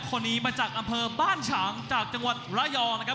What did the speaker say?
คนนี้มาจากอำเภอบ้านฉางจากจังหวัดระยองนะครับ